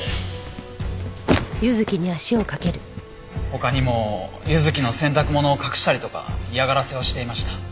他にもユズキの洗濯物を隠したりとか嫌がらせをしていました。